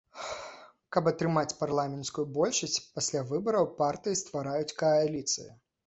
Каб атрымаць парламенцкую большасць, пасля выбараў партыі ствараюць кааліцыі.